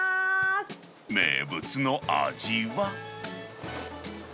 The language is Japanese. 名物の味は。